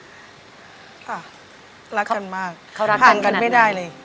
ค่ะรักกันมากห่างกันไม่ได้เลย